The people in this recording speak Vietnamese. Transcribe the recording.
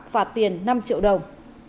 phạt tiền năm triệu đồng